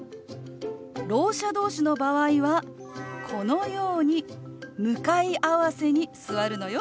ろう者同士の場合はこのように向かい合わせに座るのよ。